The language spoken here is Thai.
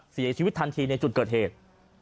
เสียชีวิตทันทีในจุดเกิดเหตุ